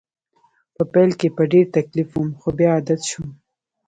په پیل کې په ډېر تکلیف وم خو بیا عادت شوم